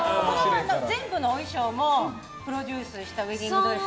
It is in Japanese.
全部のお衣装もプロデュースしたウエディングドレス？